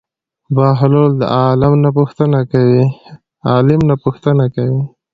بهلول د عالم نه پوښتنه کوي.